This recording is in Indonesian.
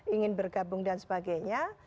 ingin bergabung dan sebagainya